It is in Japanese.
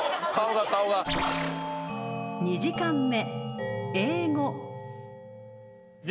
［２時間目］